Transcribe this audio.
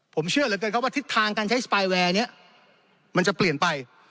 ผมเชื่อเหลือเกินครับว่าทิศทางการใช้สปายแวร์นี้มันจะเปลี่ยนไป